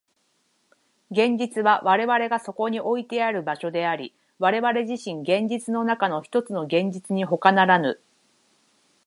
現実は我々がそこにおいてある場所であり、我々自身、現実の中のひとつの現実にほかならぬ。